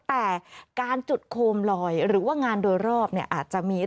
แต่การจุดโคมลอยหรือว่างานโดยรอบเนี่ยอาจจะมี